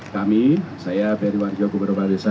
kami saya p d w gubernur badesa